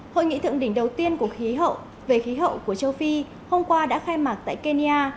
hội nghị thượng đỉnh đầu tiên của khí hậu về khí hậu của châu phi hôm qua đã khai mạc tại kenya